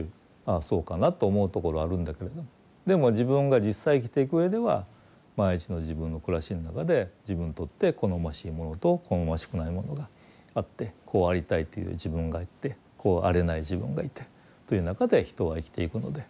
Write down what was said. あそうかなと思うところあるんだけどでも自分が実際生きていくうえでは毎日の自分の暮らしの中で自分にとって好ましいものと好ましくないものがあってこうありたいという自分がいてこうあれない自分がいてという中で人は生きていくので。